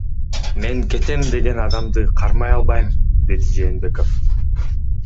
Мен кетем деген адамды кармай албайм, — деди Жээнбеков.